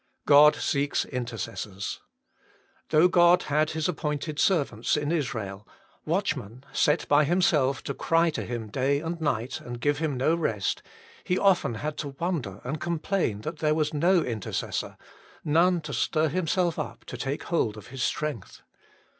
God seeks intercessors. Though God had His appointed servants in Israel, watchmen set by Himself to cry to Him day and night and give Him no rest, He often had to wonder and com plain that there was no intercessor, none to stir himself up to take hold of His strength.